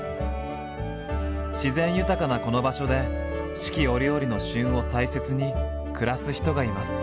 自然豊かなこの場所で四季折々の「旬」を大切に暮らす人がいます。